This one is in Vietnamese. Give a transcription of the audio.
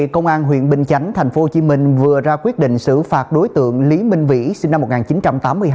công an huyện bình chánh tp hcm vừa ra quyết định xử phạt đối tượng lý minh vĩ sinh năm một nghìn chín trăm tám mươi hai